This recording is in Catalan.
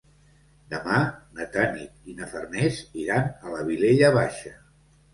Demà na Tanit i na Farners iran a la Vilella Baixa.